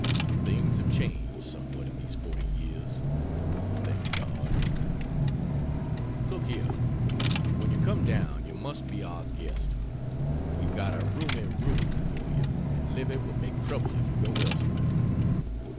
Things have changed somewhat in these 40 years, thank God. Look here when you come down you must be our guest we've got a roomy room for you, and Livy will make trouble if you go elsewhere.